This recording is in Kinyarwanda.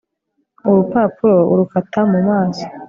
urupapuro Urakata mu maso